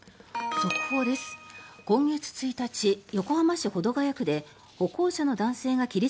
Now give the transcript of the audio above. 速報です。